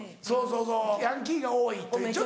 そうそうそうヤンキーが多いという。